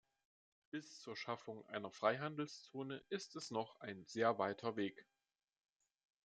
Bis zur Schaffung einer Freihandelszone ist es noch ein sehr weiter Weg.